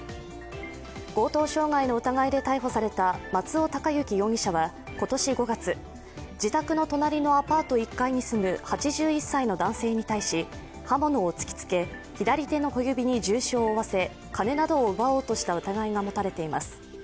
強盗傷害の疑いで逮捕された松尾孝之容疑者は今年５月、自宅の隣のアパート１階に住む８１歳の男性に対し刃物を突きつけ左手の小指に重傷を負わせ金などを奪おうとした疑いが持たれています。